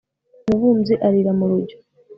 umubumbyi arira mu rujyo